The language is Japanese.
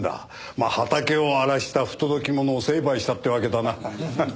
まあ畑を荒らした不届き者を成敗したってわけだな。